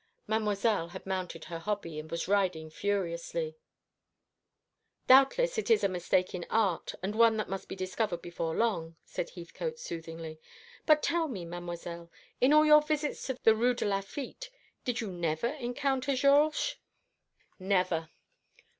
Mademoiselle had mounted her hobby, and was riding furiously. "Doubtless it is a mistake in art, and one that must be discovered before long," said Heathcote soothingly. "But tell me, Mademoiselle, in all your visits to the Rue de Lafitte, did you never encounter Georges?" "Never."